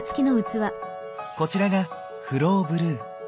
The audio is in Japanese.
こちらが「フローブルー」。